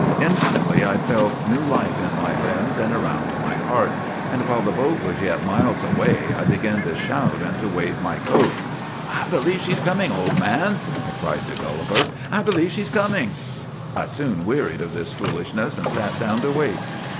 Instantly I felt new life in my limbs and around my heart, and while the boat was yet miles away I began to shout and to wave my coat. "' I believe she 's coming, old man !' I cried to Gulliver ;' I believe she 's coming !'" I soon wearied of this foolishness and sat down to wait.